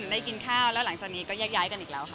ได้มีเวลาไปกินข้าวแล้วหลังจากนี้ก็ยาดี้กันอีกแล้วค่ะ